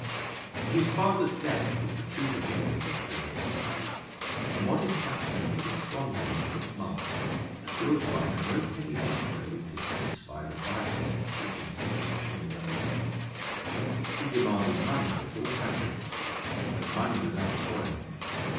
His father's death was the true beginning of his career. A modest patrimony was squandered in six months, and Gilderoy had no penny left wherewith to satisfy the vices which insisted upon indulgence. He demanded money at all hazards, and money without toil.